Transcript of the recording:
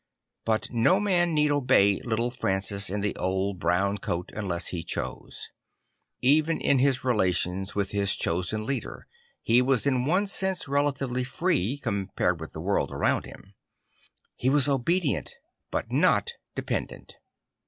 But no man need obey little Francis in the old brown coat unless he chose. Even in his relations with his chosen leader he was in one sense relatively free, compared \vith the world around him. He was obedient but not dependent.